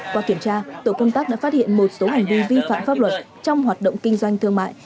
qua kiểm tra tổ công tác đã phát hiện một số hành vi vi phạm pháp luật trong hoạt động kinh doanh thương mại